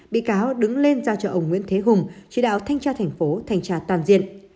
bị cáo đứng lên giao cho ông nguyễn thế hùng chỉ đạo thanh tra thành phố thanh tra toàn diện